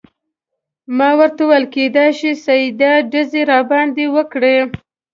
ما ورته وویل: کیدای شي سیده ډزې راباندې وکړي.